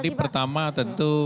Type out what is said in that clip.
jadi pertama tentu